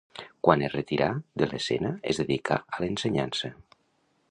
Quan es retirà de l'escena es dedicà a l'ensenyança.